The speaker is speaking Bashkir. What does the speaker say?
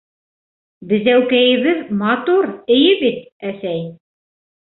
Безәүкәйебеҙ матур, эйе бит, әсәй?